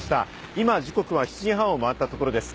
今時刻は７時半を回ったところです。